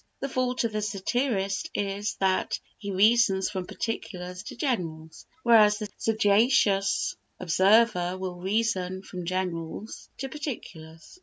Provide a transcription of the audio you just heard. The fault of the satirist is, that he reasons from particulars to generals, whereas the sagacious observer will reason from generals to particulars.